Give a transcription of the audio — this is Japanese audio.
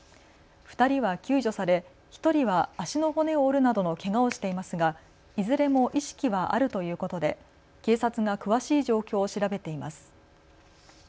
２人は救助され１人は足の骨を折るなどのけがをしていますがいずれも意識はあるということで警察が詳しい状況を調べています。